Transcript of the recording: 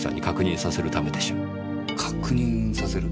確認させる？